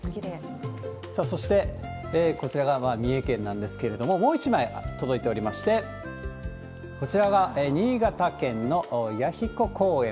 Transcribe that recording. さあ、そして、こちらが三重県なんですけれども、もう１枚届いておりまして、こちらが新潟県の弥彦公園